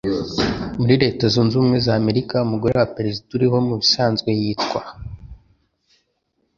Muri Reta zunzubumwe zamerika Umugore wa Perezida uriho Mubisanzwe Yitwa